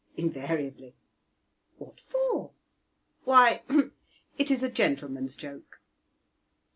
"Invariably." "What for?" "Why, hem! it is a gentleman's joke."